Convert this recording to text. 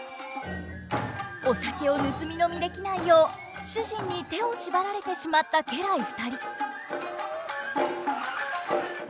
お酒を盗み飲みできないよう主人に手を縛られてしまった家来２人。